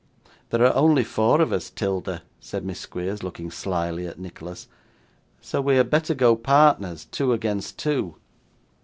'There are only four of us, 'Tilda,' said Miss Squeers, looking slyly at Nicholas; 'so we had better go partners, two against two.